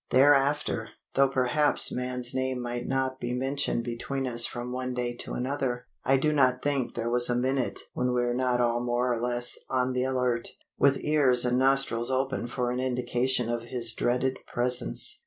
Thereafter, though perhaps man's name might not be mentioned between us from one day to another, I do not think there was a minute when we were not all more or less on the alert, with ears and nostrils open for an indication of his dreaded presence.